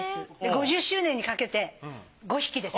５０周年にかけて５匹です。